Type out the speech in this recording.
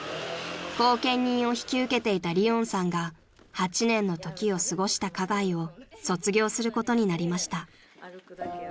［後見人を引き受けていた理音さんが８年の時を過ごした花街を卒業することになりました］